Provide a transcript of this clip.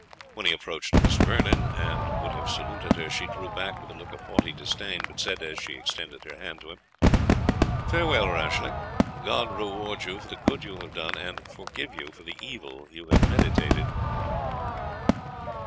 When he approached Miss Vernon, and would have saluted her she drew back with a look of haughty disdain; but said, as she extended her hand to him, "Farewell, Rashleigh; God reward you for the good you have done, and forgive you for the evil you have meditated."